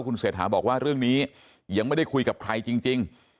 คุณเศรษฐาบอกว่าเรื่องนี้ยังไม่ได้คุยกับใครจริง